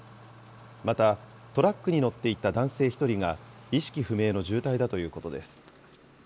また、トラックに乗っていた男性１人が、意識不明の重体だということです。